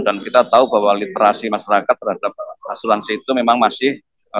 dan kita tahu bahwa literasi masyarakat terhadap asuransi itu memang masih